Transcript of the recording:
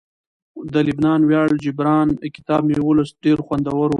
د لبنان ویاړ جبران کتاب مې ولوست ډیر خوندور وو